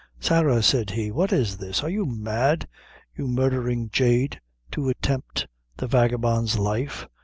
"Sarah," said he, "what is this? are you mad, you murdhering jade, to attempt the vagabond's life?